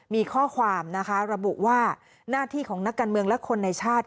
มีข้อความนะคะระบุว่าหน้าที่ของนักการเมืองและคนในชาติ